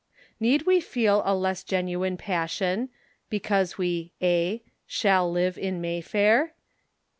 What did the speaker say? Need we feel a less genuine passion Because we { shall } live in May fair?